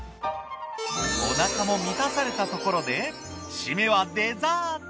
お腹も満たされたところで締めはデザート。